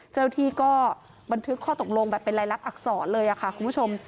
เจ้าหน้าที่ก็บันทึกข้อตกลงแบบเป็นรายลักษณอักษรเลยค่ะคุณผู้ชม